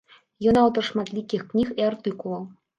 Ён аўтар шматлікіх кніг і артыкулаў.